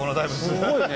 すごいね。